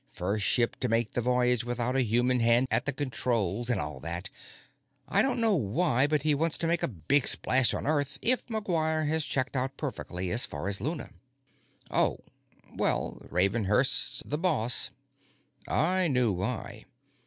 First ship to make the voyage without a human hand at the controls, and all that. I don't know why, but he wants to make a big splash on Earth if McGuire has checked out perfectly as far as Luna." "Oh. Well, Ravenhurst's the boss." I knew why.